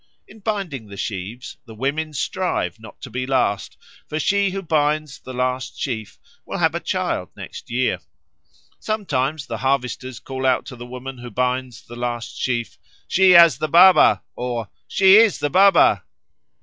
In binding the sheaves the women strive not to be last, for she who binds the last sheaf will have a child next year. Sometimes the harvesters call out to the woman who binds the last sheaf, "She has the Baba," or "She is the Baba."